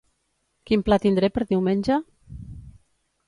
Quin pla tindré per diumenge?